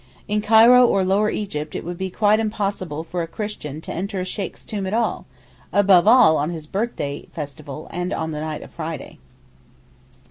In Cairo or Lower Egypt it would be quite impossible for a Christian to enter a Sheykh's tomb at all—above all on his birthday festival and on the night of Friday.